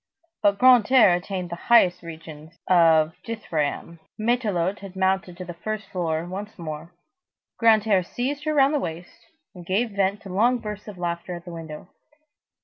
But Grantaire attained to the highest regions of dithryamb. Matelote had mounted to the first floor once more, Grantaire seized her round her waist, and gave vent to long bursts of laughter at the window.